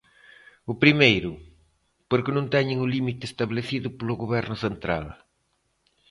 O primeiro, porque non teñen o límite establecido polo Goberno central.